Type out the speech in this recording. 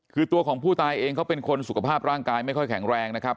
คือตัวของผู้ตายเองเขาเป็นคนสุขภาพร่างกายไม่ค่อยแข็งแรงนะครับ